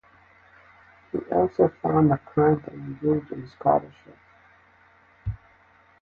He also found the time to engage in scholarship.